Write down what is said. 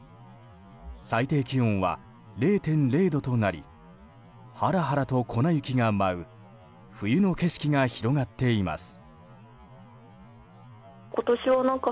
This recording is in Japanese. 最低気温は０．０度となりはらはらと粉雪が舞う冬の景色が広がっています。